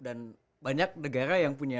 dan banyak negara yang punya